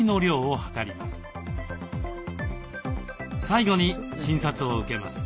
最後に診察を受けます。